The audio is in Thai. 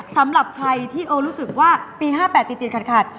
สำหรับใครที่โอรู้สึกว่าปี๕๘ติดติดขัด